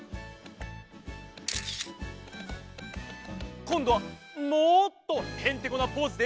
こんどはもっとヘンテコなポーズで。